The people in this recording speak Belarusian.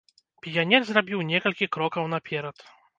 Піянер зрабіў некалькі крокаў наперад.